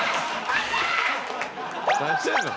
何してんの？